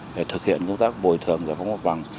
để thực hiện công tác bồi thường và phong bắt bằng